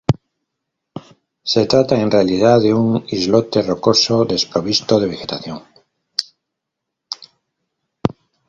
Se trata en realidad de un islote rocoso desprovisto de vegetación.